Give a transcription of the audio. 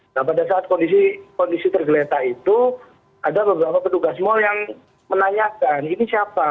nah pada saat kondisi tergeletak itu ada beberapa petugas mal yang menanyakan ini siapa